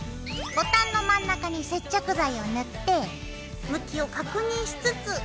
ボタンの真ん中に接着剤を塗って向きを確認しつつ。